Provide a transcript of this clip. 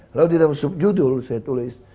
lalu di dalam sub judul saya tulis